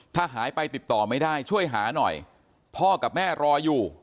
ถ้าหายไปติดต่อไม่ได้ช่วยหาหน่อยพ่อกับแม่รออยู่